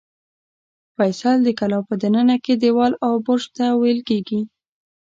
فصیل د کلا په دننه کې دېوال او برج ته ویل کېږي.